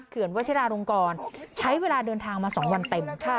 เผื่อเวชรารงกรใช้เวลาเดินทางมา๒วันเต็ม